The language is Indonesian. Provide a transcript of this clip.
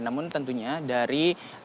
namun tentunya dari